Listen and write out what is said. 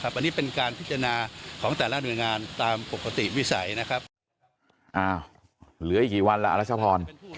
อ้าวเหลืออีกกี่วันล่ะรัฐชาวพร